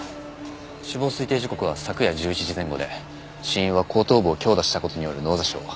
死亡推定時刻は昨夜１１時前後で死因は後頭部を強打した事による脳挫傷。